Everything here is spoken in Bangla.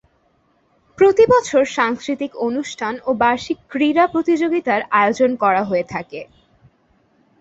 প্রতিবছর সাংস্কৃতিক অনুষ্ঠান ও বার্ষিক ক্রীড়া প্রতিযোগিতার আয়োজন করা হয়ে থাকে।